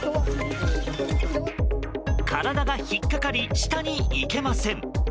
体が引っ掛かり下に行けません。